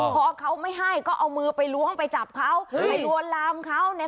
พอเขาไม่ให้ก็เอามือไปล้วงไปจับเขาไปลวนลามเขา